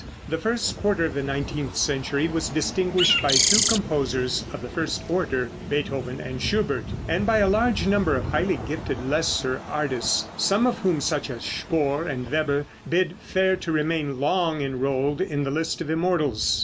The first quarter of the nineteenth century was distinguished by two composers of the first order Beethoven and Schubert; and by a large number of highly gifted lesser artists, some of whom, such as Spohr and Weber, bid fair to remain long enrolled in the list of immortals.